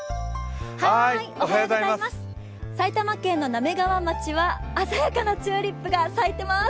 埼玉県の滑川町は鮮やかなチューリップが咲いてます。